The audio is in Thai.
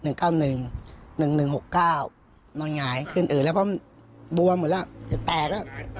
นอนหงายขึ้นอืดแล้วเพราะมันบวมหมดแล้วแตก